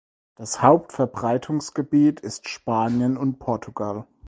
Das Hauptverbreitungsgebiet ist Spanien und Portugal.